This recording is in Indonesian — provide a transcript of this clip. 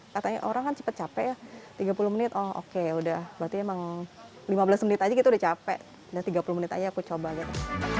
katanya orang kan cepat capek ya tiga puluh menit oh oke udah berarti emang lima belas menit aja gitu udah capek udah tiga puluh menit aja aku coba gitu